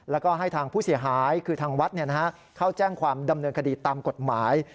แล้วก็ให้ทางผู้เสียหายคือทางวัดเข้าแจ้งความดำเนินคดีตามกฎหมาย